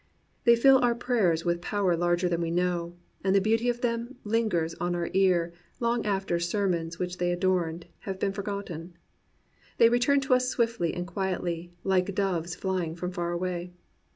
They Jill our prayers with power larger than we know, and the beauty of them lingers on our ear long after the sermons which they adorned have been forgotten. They return to us swiftly and quietly, like doves flying from far away.